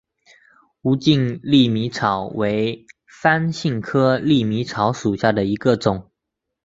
无茎粟米草为番杏科粟米草属下的一个种。